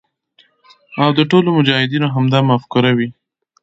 او د ټولو مجاهدینو همدا مفکوره وي.